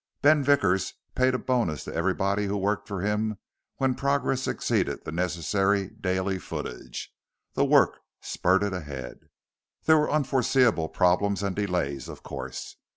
Ben Vickers paid a bonus to everybody who worked for him when progress exceeded the necessary daily footage. The work spurted ahead. There were unforseeable problems and delays, of course.